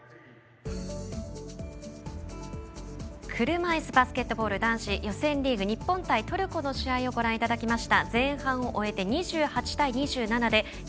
車いすバスケットボール男子予選リーグ、日本対トルコの試合をご覧いただきました。